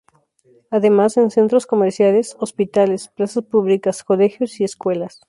Además en centros comerciales, hospitales, plazas públicas, colegios y escuelas.